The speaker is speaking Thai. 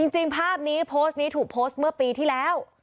จริงภาพนี้โพสต์นี้ถูกโพสต์เมื่อปีที่แล้ว